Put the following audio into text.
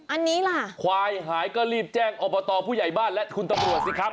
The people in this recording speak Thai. อันนี้ล่ะควายหายก็รีบแจ้งอบตผู้ใหญ่บ้านและคุณตำรวจสิครับ